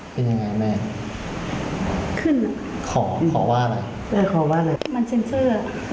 เป็นยังไงแม่ขึ้นขอขอว่าอะไรแม่ขอว่าอะไรมันเซ็นเซอร์